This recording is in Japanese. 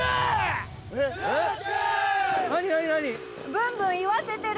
ブンブンいわせてる！